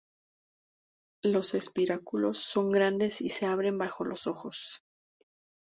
Los espiráculos son grandes y se abren bajo los ojos.